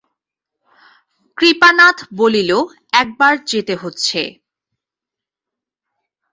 কৃপানাথ বলিল, একবার যেতে হচ্ছে।